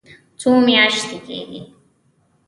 څو میاشتې کیږي؟